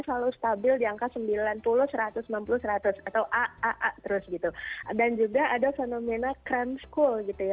selalu stabil di angka sembilan puluh satu ratus enam puluh seratus atau aa terus gitu dan juga ada fenomena cream school gitu ya